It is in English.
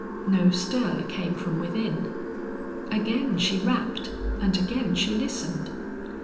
No stir came from within. Again she rapped and again she listened.